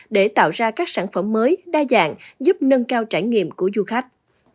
để tạo ra các sản phẩm mới đa dạng giúp nâng cao trải nghiệm của du khách